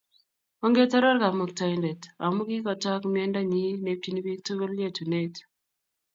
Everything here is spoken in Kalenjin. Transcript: Ongetoror Kamuktaindet amu kigotook mienda nyi neipchini bik tukul yetunet